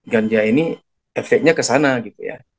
ganja ini efeknya kesana gitu ya